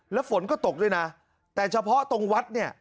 แล้วฝนก็ตกด้วยนะแต่เฉพาะตรงวัดเนี่ย